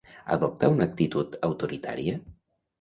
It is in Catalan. Adopta una actitud autoritària?